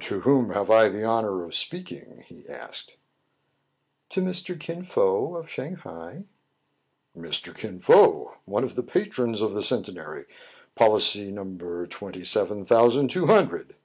"To whom have I the honor of speaking?" he asked. "To Mr. Kin Fo of Shang hai." " Mr. Kin Fo ! one of the patrons of the Cen tenary, — policy number twenty seven thousand two hundred.